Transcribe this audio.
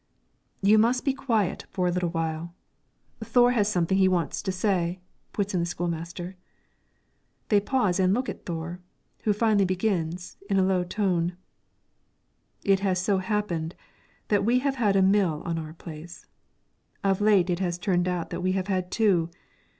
"You must be quiet for a little while, Thore has something he wants to say," puts in the school master. They pause and look at Thore, who finally begins, in a low tone: "It has so happened that we have had a mill on our place. Of late it has turned out that we have had two.